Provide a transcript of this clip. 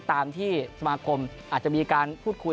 ตามที่สมาคมอาจจะมีการพูดคุย